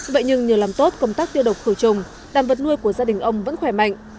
vậy nhưng nhờ làm tốt công tác tiêu độc khử trùng đàn vật nuôi của gia đình ông vẫn khỏe mạnh